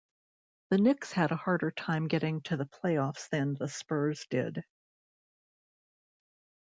The Knicks had a harder time getting to the playoffs than the Spurs did.